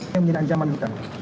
yang menjadi ancaman kita